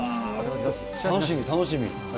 楽しみ、楽しみ。